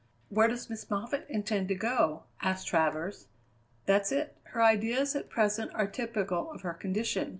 "Where does Miss Moffatt intend to go?" asked Travers. "That's it. Her ideas at present are typical of her condition.